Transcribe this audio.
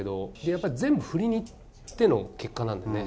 やっぱり全部振りにいっての結果なんでね。